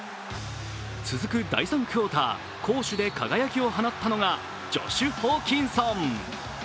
続く第３クオーター攻守で輝きを放ったのがジョシュ・ホーキンソン。